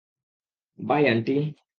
By, aunty.